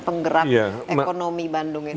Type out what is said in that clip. penggerak ekonomi bandung ini